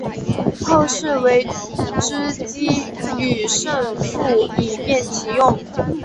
后世为之机抒胜复以便其用。